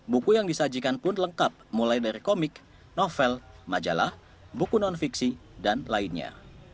buku yang disajikan pun lengkap mulai dari komik novel majalah buku non fiksi dan lainnya